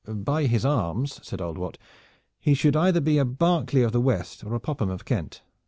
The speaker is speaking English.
"By his arms," said old Wat, "he should either be a Berkeley of the West or a Popham of Kent."